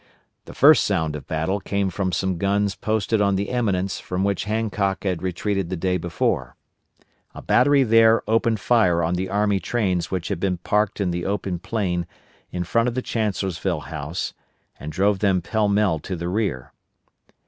The first sound of battle came from some guns posted on the eminence from which Hancock had retreated the day before. A battery there opened fire on the army trains which had been parked in the open plain in front of the Chancellorsville House, and drove them pell mell to the rear.